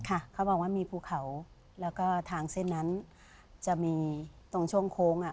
เขาบอกว่ามีภูเขาแล้วก็ทางเส้นนั้นจะมีตรงช่วงโค้งอ่ะ